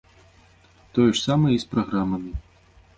Тое ж самае і з праграмамі.